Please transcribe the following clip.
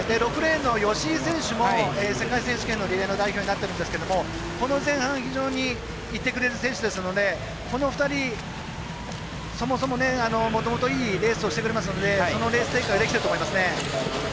吉井選手も世界選手権のリレーの代表になっているんですけれどもこの前半、非常にいってくれる選手ですのでこの２人、そもそももともといいレースをしてくれますのでそのレース展開できていると思いますね。